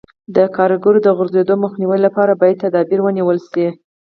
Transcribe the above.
د کاریګرو د غورځېدو مخنیوي لپاره باید تدابیر ونیول شي.